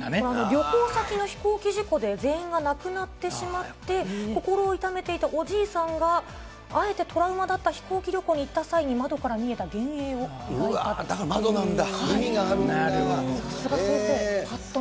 旅行先の飛行機事故で全員が亡くなってしまって、心を痛めていたおじいさんがあえてトラウマだった飛行機旅行に行った際に、窓から見えた幻影を描いたと。